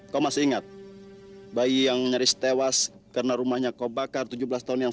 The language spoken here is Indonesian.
kau masih ingat bayi yang nyaris tewas karena rumahnya kau bakar tujuh belas tahun yang